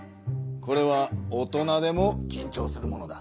これは大人でもきんちょうするものだ。